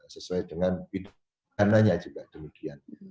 sesuai dengan pidananya juga demikian